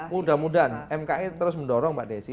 mudah mudahan mki terus mendorong pak nessy